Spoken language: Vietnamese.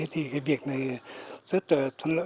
thì cái việc này rất thuận lợi